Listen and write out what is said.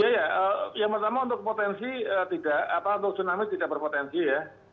yang pertama untuk tsunami tidak berpotensi ya